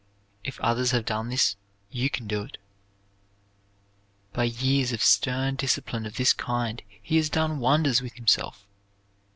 "If others have done this, you can do it." By years of stern discipline of this kind he has done wonders with himself.